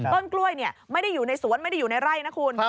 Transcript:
ต้นกล้วยไม่ได้อยู่ในสวนไม่ได้อยู่ในไร่นะคุณ